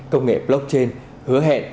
công nghệ blockchain hứa hẹn